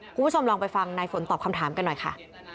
คุณผู้ชมลองไปฟังนายฝนตอบคำถามกันหน่อยค่ะ